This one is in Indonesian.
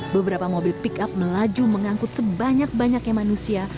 beberapa mobil pickup melaju mengangkut sebanyak banyaknya manusia